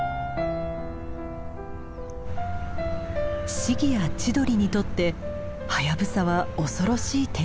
シギやチドリにとってハヤブサは恐ろしい天敵。